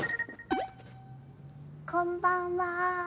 こんばんは。